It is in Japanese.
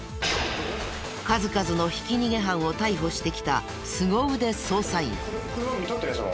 数々のひき逃げ犯を逮捕してきたすご腕捜査員。